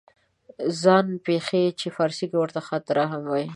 ځان پېښې چې فارسي کې ورته خاطره هم وایي